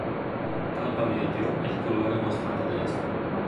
Talpa medio è il colore mostrato a destra.